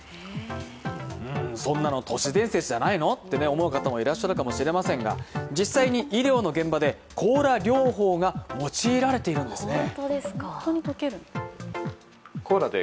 そんなの都市伝説じゃないの？って思う方もいるかもしれませんが、実際に医療の現場でコーラ療法が用いられているんですね。